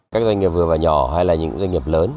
các doanh nghiệp vừa và nhỏ hay là những doanh nghiệp lớn